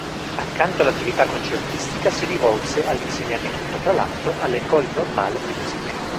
Accanto all’attività concertistica si rivolse all'insegnamento, fra l'altro all' "École normale de musique".